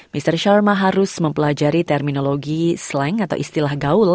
mr sharma harus mempelajari terminologi slang atau istilah gaul